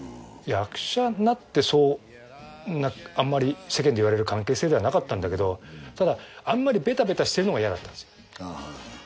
役者になってあんまり世間で言われる関係性ではなかったんだけどただあんまりベタベタしてるのが嫌だったんですよ。